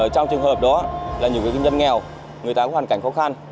trong trường hợp đó là những công nhân nghèo người ta có hoàn cảnh khó khăn